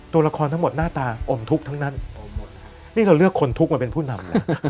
ตัวละครทั้งหมดหน้าตาอมทุกข์ทั้งนั้นนี่เราเลือกคนทุกข์มาเป็นผู้นำนะ